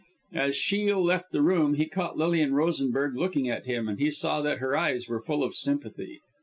As Shiel left the room he caught Lilian Rosenberg looking at him; and he saw that her eyes were full of sympathy.